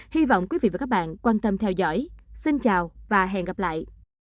hy vọng quý vị và các bạn quan tâm theo dõi xin chào và hẹn gặp lại